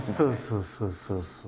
そうそうそうそう。